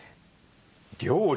料理。